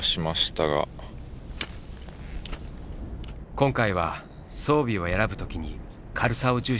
今回は装備を選ぶときに軽さを重視した。